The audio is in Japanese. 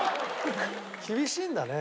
厳しいんだね。